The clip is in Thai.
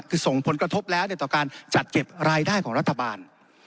คือส่งผลกระทบแล้วต่อการจัดเก็บรายได้ของรัฐบาล